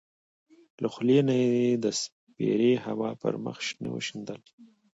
له خولې نه یې د سپېرې هوا پر مخ شنه وشیندل.